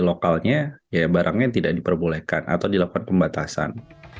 maka barangnya tidak diperbolehkan atau dilakukan pembatasan